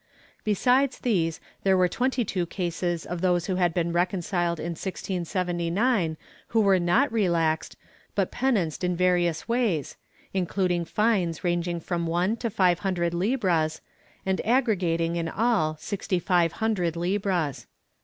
Besides these there were twenty two cases of those who had been reconciled in 1679 who were not relaxed but penanced in various ways, including fines ranging from one to five hundred libras, and aggre gating in all sixty five hundred Hbras.